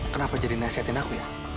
kenapa jadi nasihatin aku ya